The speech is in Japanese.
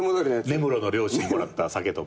根室の漁師にもらったさけとば。